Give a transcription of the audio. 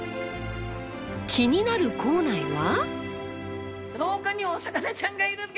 気になる校内は。